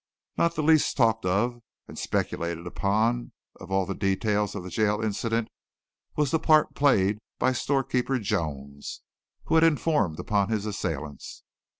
Not the least talked of and speculated upon of all the details of the jail incident was the part played by Storekeeper Jones, who had informed upon his assailants.